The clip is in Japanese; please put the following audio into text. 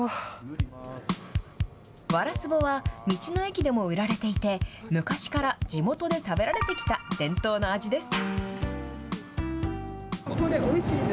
ワラスボは、道の駅でも売られていて、昔から地元で食べられてきた伝統の味です。